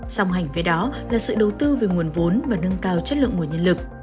sòng hành với đó là sự đầu tư về nguồn vốn và nâng cao chất lượng nguồn nhân lực